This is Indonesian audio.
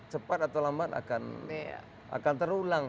cepat atau lambat akan terulang